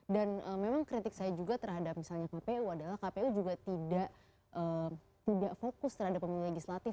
dan memang kritik saya juga terhadap misalnya kpu adalah kpu juga tidak fokus terhadap pemilu legislatif